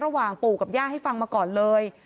ระหว่างปู่กับย่าให้ฟังมาก่อนเลย